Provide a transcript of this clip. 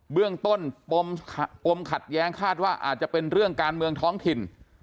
เบื้องต้นปมขัดแย้งคาดว่าอาจจะเป็นเรื่องการเมืองท้องถิ่น